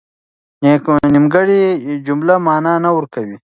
نيمګړې جمله مانا نه ورکوي.